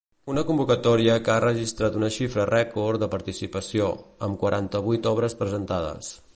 Una convocatòria que ha registrat una xifra rècord de participació, amb quaranta-vuit obres presentades.